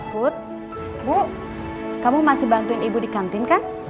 but bu kamu masih bantuin ibu di kantin kan